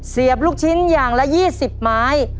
เสียบลูกชิ้นอย่างละ๒๐ไม้